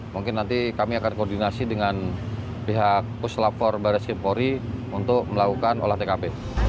mungkin nanti kami akan koordinasi dengan pihak kuslapor barat simpori untuk melakukan olah tkp